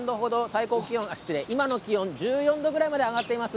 今の気温１４度ぐらいまで上がっています。